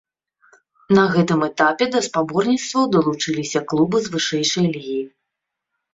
На гэтым этапе да спаборніцтваў далучыліся клубы з вышэйшай лігі.